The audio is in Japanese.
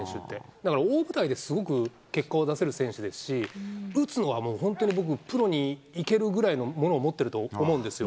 だから大舞台ですごく結果を出せる選手ですし、打つのはもう本当に僕、プロに行けるぐらいのものを持っていると思うんですよ。